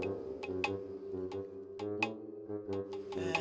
ya siapa yang bengong di sumur